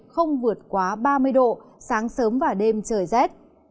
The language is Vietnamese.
không vượt quá ba mươi độ sáng sớm và đêm trời rét